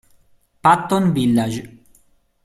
Patton Village